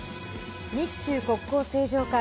日中国交正常化